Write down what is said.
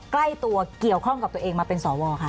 ใกล้ตัวเกี่ยวข้องกับตัวเองมาเป็นสวค่ะ